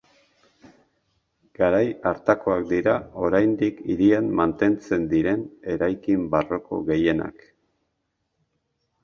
Garai hartakoak dira oraindik hirian mantentzen diren eraikin barroko gehienak.